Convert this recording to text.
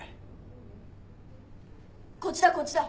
・こっちだこっちだ。